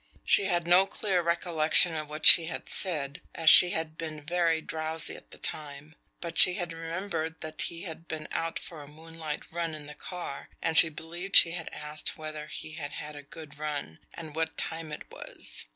She had no clear recollection of what she had said, as she had been very drowsy at the time; but she had remembered that he had been out for a moonlight run in the car, and she believed she had asked whether he had had a good run, and what time it was.